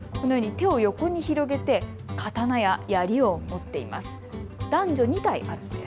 このように手を横に広げて刀ややりを持っています。